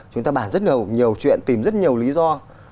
chúng ta bản rất nhiều chuyện tìm rất nhiều lý do